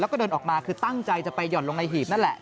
แล้วก็เดินออกมาคือตั้งใจจะไปห่อนลงในหีบนั่นแหละ